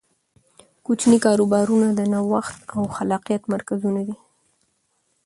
کوچني کاروبارونه د نوښت او خلاقیت مرکزونه دي.